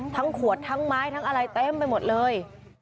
ขวดทั้งไม้ทั้งอะไรเต็มไปหมดเลย